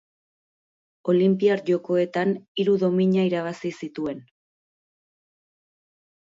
Olinpiar Jokoetan hiru domina irabazi zituen.